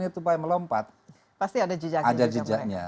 nah kita harus mengajar jejaknya